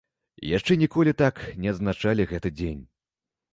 Яшчэ ніколі так не адзначалі гэты дзень.